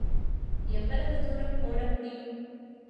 எவ்வளவு தூரம் ஓட முடியும்?